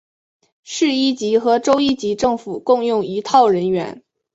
市一级和州一级政府共用一套人员。